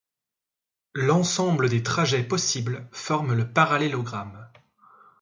L'ensemble des trajets possibles forme le parallélogramme.